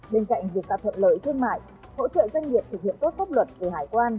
bên cạnh việc tạo thuận lợi thương mại hỗ trợ doanh nghiệp thực hiện tốt pháp luật về hải quan